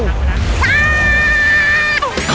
น้ำจอมยุ่นสักหน่อย